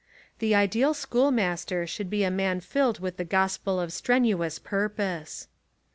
The ideal schoolmaster should be a man filled with the gospel of strenu ous purpose.